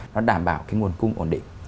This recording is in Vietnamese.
nó đảm bảo cái nguồn cung ổn định